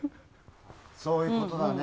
そういうことだね。